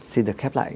xin được khép lại